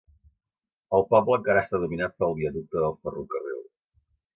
El poble encara està dominat pel viaducte del ferrocarril.